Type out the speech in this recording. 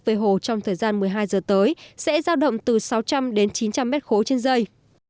về hồ trong thời gian một mươi hai giờ tới sẽ giao động từ sáu trăm linh đến chín trăm linh m ba trên dây